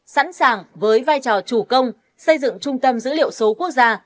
sẵn sàng với vai trò chủ công xây dựng trung tâm dữ liệu số quốc gia